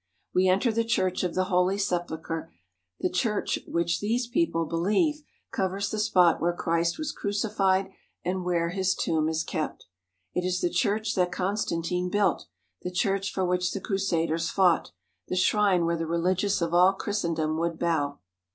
We enter the Church of the Holy Sepulchre, the church which these people believe covers the spot where Christ was crucified and where His tomb is kept. It is the church that Constantine built, the church for which the Crusaders fought, the shrine where the religious of all Christendom would bow.